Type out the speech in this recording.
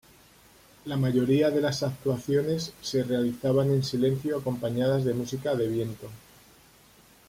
La mayoría de las actuaciones se realizaban en silencio acompañadas de música de viento.